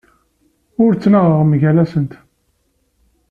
Ur ttnaɣeɣ mgal-nsent.